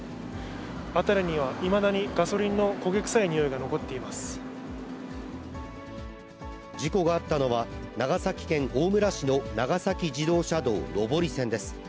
辺りにはいまだにガソリンの焦げ事故があったのは、長崎県大村市の長崎自動車道上り線です。